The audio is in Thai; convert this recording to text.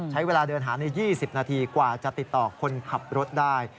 ใช้เวลาเดินหาใน๒๐นาทีกว่าจะติดต่อคนขับรถได้